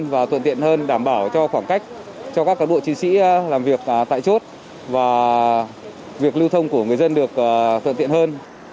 quét mã qr đã thuận tiện hơn đảm bảo cho khoảng cách cho các cán bộ chiến sĩ làm việc tại chốt và việc lưu thông của người dân được thuận tiện hơn